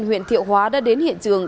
huyện thiệu hóa đã đến hiện trường